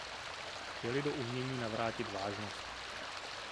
Chtěli do umění navrátit vážnost.